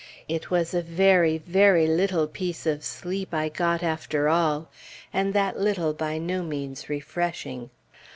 It was a very, very little piece of sleep I got after all, and that little by no means refreshing.